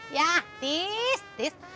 ya tis tis